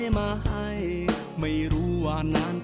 เราสร้างครอบครัวมาแล้วก็